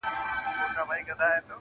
نه یم رسېدلی و سپېڅلي لېونتوب ته زه,